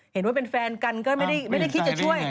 เห็นว่าเป็นแฟนกันก็ไม่ได้คิดจะช่วย